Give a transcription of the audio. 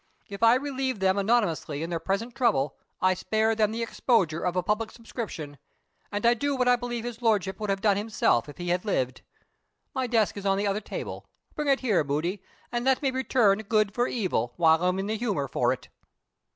If I relieve them anonymously in their present trouble, I spare them the exposure of a public subscription, and I do what I believe his Lordship would have done himself if he had lived. My desk is on the other table. Bring it here, Moody; and let me return good for evil, while I'm in the humor for it!"